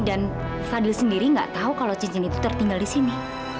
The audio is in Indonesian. dan fadil sendiri gak tahu kalau cincin itu tertinggal di sini